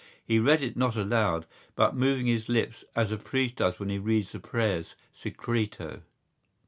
He read it not aloud, but moving his lips as a priest does when he reads the prayers Secreto.